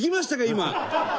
今。